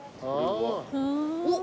おっ。